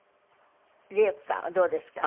りえ子さんはどうですか？